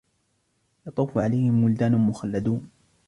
يَطُوفُ عَلَيْهِمْ وِلْدَانٌ مُخَلَّدُونَ